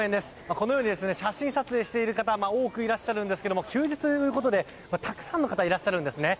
このように写真撮影している方が多くいらっしゃるんですけれども休日ということでたくさんの方いらっしゃるんですね。